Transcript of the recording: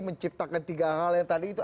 menciptakan tiga hal yang tadi itu